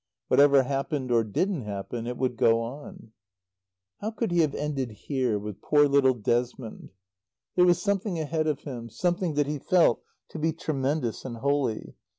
Whatever happened or didn't happen it would go on. How could he have ended here, with poor little Desmond? There was something ahead of him, something that he felt to be tremendous and holy.